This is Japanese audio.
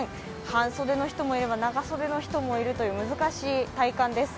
半袖の人もいれば長袖の人もいるという難しい体感です。